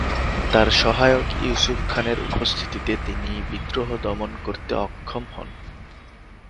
তার সহায়ক ইউসুফ খানের উপস্থিতিতে তিনি বিদ্রোহ দমন করতে অক্ষম হন।